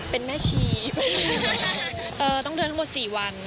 เป็นหน้าชี